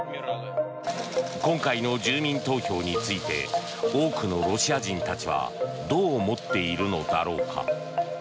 今回の住民投票について多くのロシア人たちはどう思っているのだろうか。